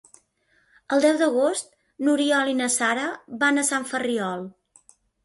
El deu d'agost n'Oriol i na Sara van a Sant Ferriol.